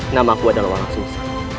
nama aku adalah walang sus